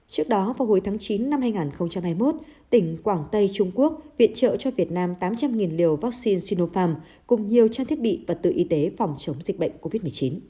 trước đó vào hồi tháng chín năm hai nghìn hai mươi một tỉnh quảng tây trung quốc viện trợ cho việt nam tám trăm linh liều vaccine sinopharm cùng nhiều trang thiết bị vật tự y tế phòng chống dịch bệnh covid một mươi chín